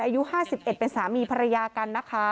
อายุห้าสิบเอ็ดเป็นสามีภรรยากันนะคะ